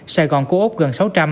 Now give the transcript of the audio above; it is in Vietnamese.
sài gòn của úc gần sáu trăm linh